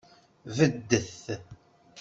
Beddet!